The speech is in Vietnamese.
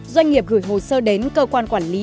doanh nghiệp gửi hồ sơ đến cơ quan quản lý